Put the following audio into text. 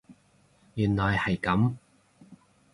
原來係咁